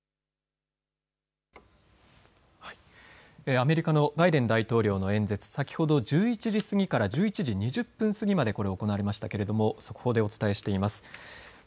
アメリカのバイデン大統領の演説先ほど１１時過ぎから１１時２０分過ぎまで行われましたけれども速報でお伝えしています。